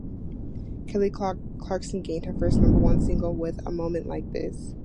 Kelly Clarkson gained her first number-one single with "A Moment Like This".